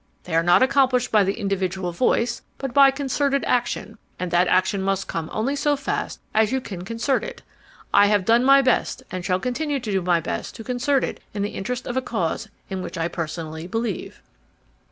They are not accomplished by the individual voice but by concerted action, and that action must come only so fast as you can concert it. I have done my best and shall continue to do my best to concert it in the interest of a cause in which I personally believe."